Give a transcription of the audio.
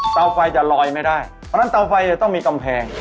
เตาไฟจะลอยไม่ได้เพราะฉะนั้นเตาไฟจะต้องมีกำแพง